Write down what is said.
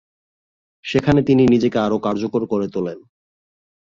সেখানে তিনি নিজেকে আরও কার্যকর করে তোলেন।